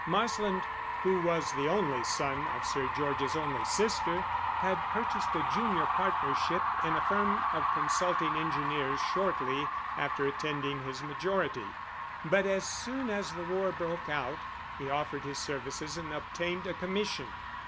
Marsland, who was the only son of Sir George's only sister, had purchased a junior partnership in a firm of consulting engineers shortly after attending his majority, but as soon as the war broke out he offered his services and obtained a commission.